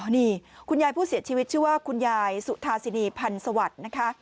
นี่คุณยายผู้เสียชีวิตชื่อว่าคุณยายสุธาสินีพันธ์สวัสดิ์นะคะ